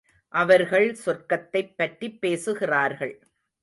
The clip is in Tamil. அவர்கள் சொர்க்கத்தைப் பற்றிப் பேசுகிறார்கள்.